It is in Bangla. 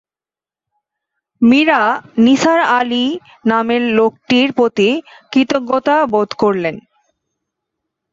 মীরা নিসার আলি নামের লোকটির প্রতি কৃতজ্ঞতা বোধ করলেন।